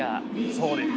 そうです。